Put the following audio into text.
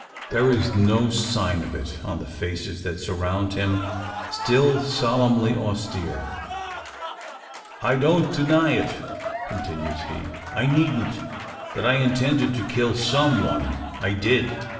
There is no sign of it, on the faces that surround him still solemnly austere. "I don't deny," continues he; "I needn't that I intended to kill some one. I did.